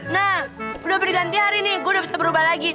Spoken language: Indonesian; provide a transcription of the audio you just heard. nah udah berganti hari nih gue udah bisa berubah lagi